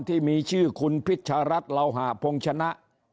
ที่มีชื่อคุณพิชรัฐเหล่าหะพงชนะ